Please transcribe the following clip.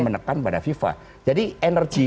menekan pada fifa jadi energi